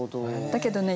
だけどね